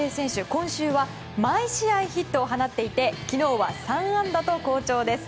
今週は毎試合ヒットを放っていて昨日は３安打と好調です。